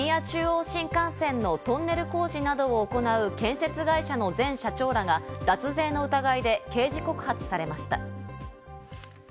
中央新幹線のトンネル工事などを行う建設会社の前社長らが脱税の疑いで刑事告発されました。